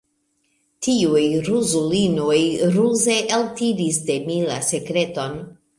Tiuj ruzulinoj ruze eltiris de mi la sekreton.